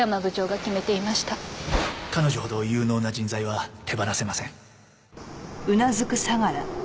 彼女ほど有能な人材は手放せません。